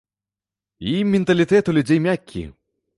І менталітэт у людзей мяккі.